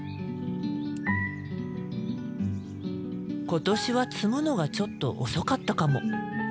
今年は摘むのがちょっと遅かったかも。